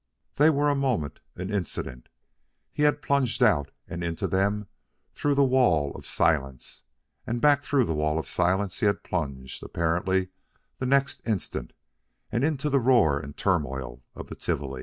They were a moment, an incident. He had plunged out and into them through the wall of silence, and back through the wall of silence he had plunged, apparently the next instant, and into the roar and turmoil of the Tivoli.